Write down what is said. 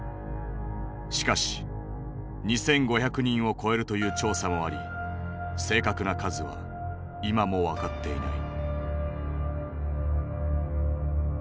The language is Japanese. しかし２，５００人を超えるという調査もあり正確な数は今も分かっていない。